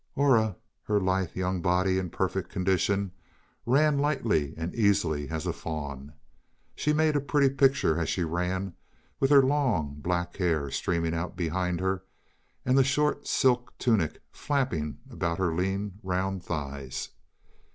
Aura, her lithe, young body in perfect condition, ran lightly and easily as a fawn. She made a pretty picture as she ran, with her long, black hair streaming out behind her, and the short silk tunic flapping about her lean, round thighs.